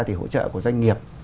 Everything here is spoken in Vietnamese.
thì hỗ trợ của doanh nghiệp